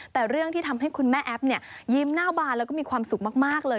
แต่เรื่องที่ทำให้คุณแม่แอฟเนี่ยยิ้มหน้าบานแล้วก็มีความสุขมากเลย